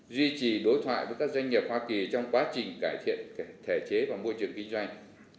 duy trì đối thoại với các doanh nghiệp hoa kỳ trong quá trình cải thiện thể chế và môi trường kinh doanh